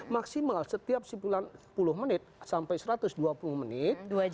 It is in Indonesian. maksimal setiap sepuluh menit sampai satu ratus dua puluh menit